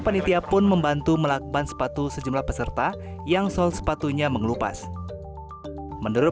penitia pun membantu melakban sepatu sejumlah peserta yang sol sepatunya mengelupas menurut